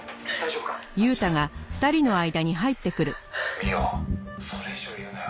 「美緒それ以上言うなよ」